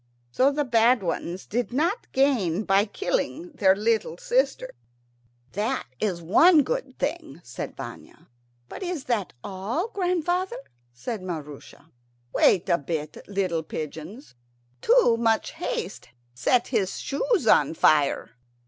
So the bad ones did not gain by killing their little sister. "That is one good thing," said Vanya. "But is that all, grandfather?" said Maroosia. "Wait a bit, little pigeons. Too much haste set his shoes on fire.